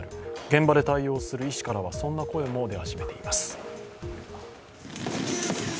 現場で対応する医師からはそんな声も出始めています。